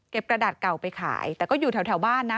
กระดาษเก่าไปขายแต่ก็อยู่แถวบ้านนะ